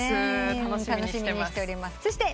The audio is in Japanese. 楽しみにしてます。